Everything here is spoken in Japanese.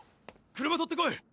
車とってこい！